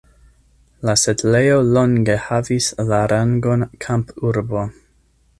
La setlejo longe havis la rangon kampurbo.